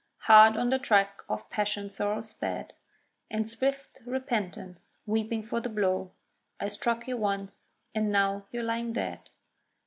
Hard on the track of passion sorrow sped, And swift repentance, weeping for the blow; I struck you once—and now you're lying dead!